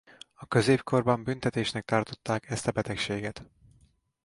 A középkorban büntetésnek tartották ezt a betegséget.